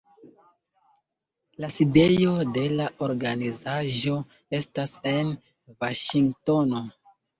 La sidejo de la organizaĵo estas en Vaŝingtono.